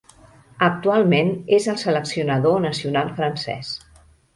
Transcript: Actualment és el seleccionador nacional francès.